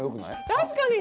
確かに！